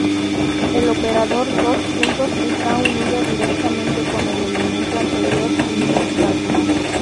El operador dos puntos está unido directamente con el elemento anterior, sin un espacio.